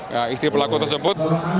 ya istri pelaku tersebut